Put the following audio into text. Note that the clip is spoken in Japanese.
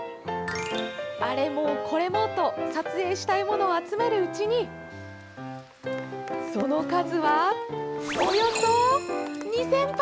あれもこれもと撮影したいものを集めるうちにその数は、およそ２０００鉢。